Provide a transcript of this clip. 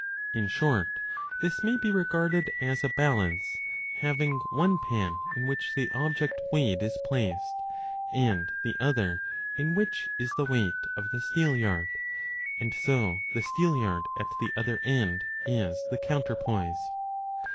In short, this may be regarded as a balance, having one pan in which the object weighed is placed, and the other in which is the weight 3 of the steelyard, and so the steel 5 yard at the other end is the counterpoise.